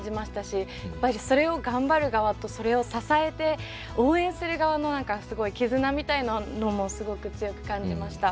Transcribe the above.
やっぱりそれを頑張る側とそれを支えて応援する側の何かすごい絆みたいなのもすごく強く感じました。